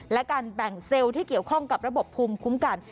และการแบ่งเซลล์ที่เกี่ยวข้องกับระบบภูมิคุ้มกัน